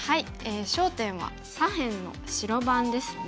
焦点は左辺の白番ですね。